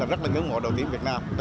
rất là ủng hộ đội tuyển việt nam